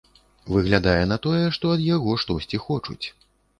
Выглядае на тое, што ад яго штосьці хочуць.